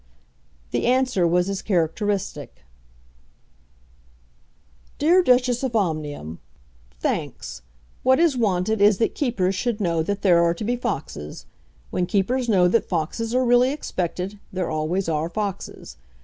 The answer was as characteristic: DEAR DUCHESS OF OMNIUM, Thanks. What is wanted, is that keepers should know that there are to be foxes. When keepers know that foxes are really expected, there always are foxes.